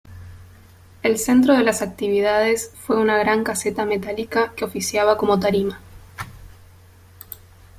El centro de las actividades fue una gran caseta metálica que oficiaba como tarima.